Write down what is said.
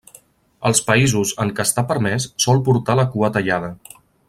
Als països en què està permès, sol portar la cua tallada.